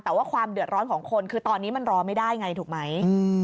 แต่ว่าความเดือดร้อนของคนคือตอนนี้มันรอไม่ได้ไงถูกไหม